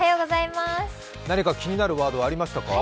何か気になるワードはありましたか？